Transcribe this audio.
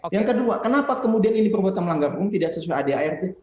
yang kedua kenapa kemudian ini perbuatan melanggar hukum tidak sesuai adart